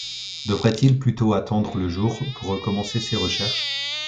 Devrait-il plutôt attendre le jour pour recommencer ses recherches?